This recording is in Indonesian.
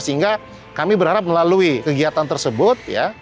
sehingga kami berharap melalui kegiatan tersebut